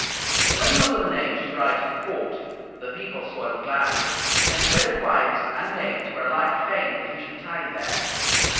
When he was of an age to ride to the court, the people saw him gladly, and wedded wives and maids were alike fain that he should tarry there.